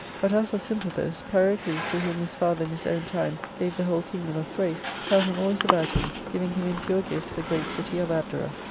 But as for Sympathus, Pyrocles, to whom his father in his own time gave the whole kingdom of Thrace, held him always about him, giving him in pure gift the great city of Abdera.